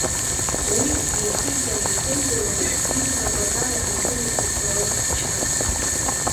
Уи, иахьигара изымдыруа изнапык ала икын акислород хчы.